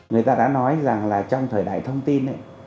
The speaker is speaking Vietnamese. người ta đã nói rằng là trong thời đại thông tin ấy